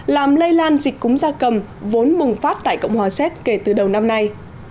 làm lây lan dịch cúng gia cầm vốn bùng phát tại cộng hòa séc kể từ đầu năm nay